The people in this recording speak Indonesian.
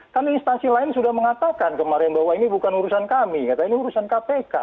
kan instansi lain sudah mengatakan kemarin bahwa ini bukan urusan kami karena ini urusan kpk